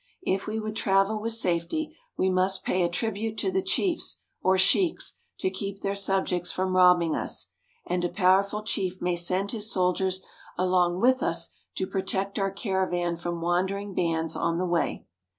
If we would travel with safety, we must pay a tribute to the chiefs, or sheiks, to keep their subjects from robbing us, and a powerful chief may send his soldiers along with us to protect our caravan from wandering bands on the way.